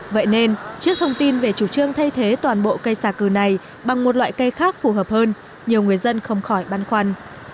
vậy nên trước thông tin về chủ trương thay thế toàn bộ cây xà cừ này bằng một loại cây khác phù hợp hơn nhiều người dân không khỏi băn khoăn